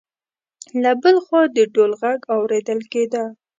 له بل خوا د ډول غږ اوریدل کېده.